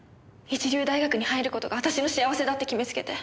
一流大学に入る事が私の幸せだって決めつけて。